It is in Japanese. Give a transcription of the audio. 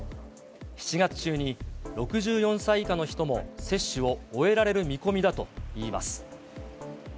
７月中に６４歳以下の人も接種を終えられる見込みだといいます。